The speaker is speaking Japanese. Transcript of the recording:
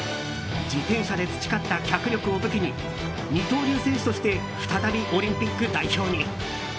自転車で培った脚力を武器に二刀流選手として再びオリンピック代表に。